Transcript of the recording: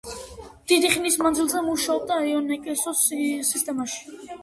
დიდი ხნის მანძილზე მუშაობდა იუნესკოს სისტემაში.